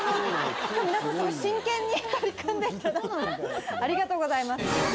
今日真剣に取り組んでありがとうございます。